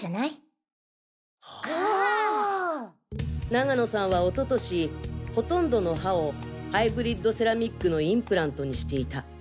永野さんはおととしほとんどの歯をハイブリッドセラミックのインプラントにしていた。